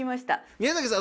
宮崎さん